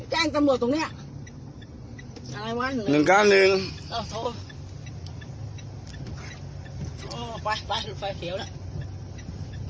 หนึ่ง